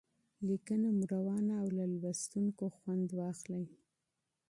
لیکنه مو روانه او له لوستونکي خوند واخلي.